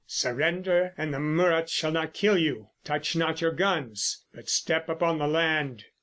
"Surrender, and the Muruts shall not kill you. Touch not your guns but step up upon the land."